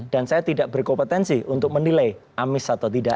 dan saya tidak berkompetensi untuk menilai amis atau tidak